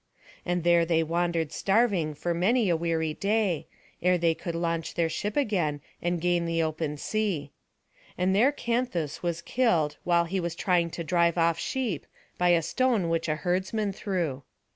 And there they wandered starving for many a weary day, ere they could launch their ship again, and gain the open sea. And there Canthus was killed while he was trying to drive off sheep, by a stone which a herdsman threw.